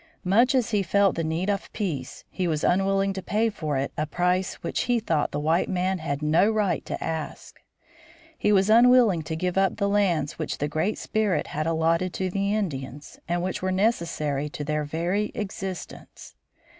Much as he felt the need of peace he was unwilling to pay for it a price which he thought the white man had no right to ask. He was unwilling to give up the lands which the Great Spirit had allotted to the Indians, and which were necessary to their very existence.